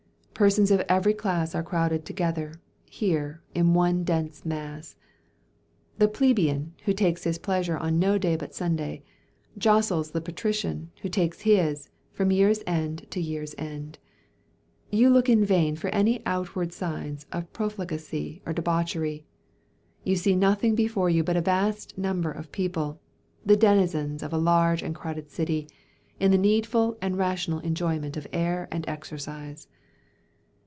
Persons of every class are crowded together, here, in one dense mass. The plebeian, who takes his pleasure on no day but Sunday, jostles the patrician, who takes his, from year's end to year's end. You look in vain for any outward signs of profligacy or debauchery. You see nothing before you but a vast number of people, the denizens of a large and crowded city, in the needful and rational enjoyment of air and exercise.